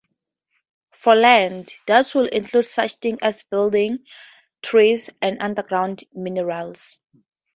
For land, that would include such things as buildings, trees, and underground minerals.